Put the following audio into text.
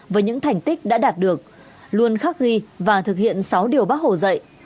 với những thành tích đã đạt được luôn khắc ghi và thực hiện sáu điều bác hồ dạy